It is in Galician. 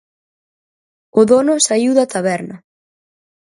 O dono saíu da taberna.